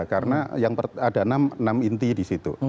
karena ada enam inti di situ